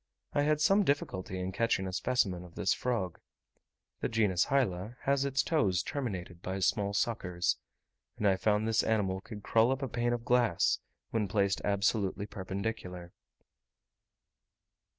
I had some difficulty in catching a specimen of this frog. The genus Hyla has its toes terminated by small suckers; and I found this animal could crawl up a pane of glass, when placed absolutely perpendicular.